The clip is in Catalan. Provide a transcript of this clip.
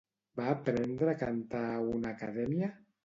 Va aprendre a cantar a una acadèmia?